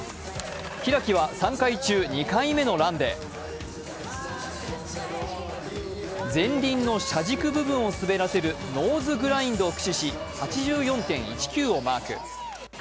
開は３回中２回目のランで前輪の車軸部分を滑らせるノーズグラインドを駆使し、８４．１９をマーク。